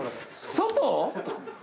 外！？